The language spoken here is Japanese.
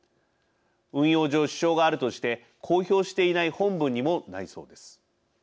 運用上支障があるとして公表していない本文にもないそうです。